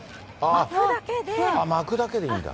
巻くだけでいいんだ。